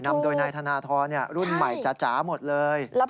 นำโดยนายธนทรรุ่นใหม่จ๋าหมดเลย